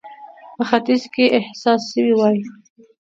په ختیځ کې احساس سوې وای.